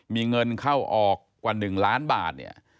มีเงินเข้าออกกว่า๑ล้านบาทเนี่ย